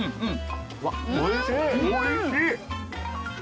おいしい。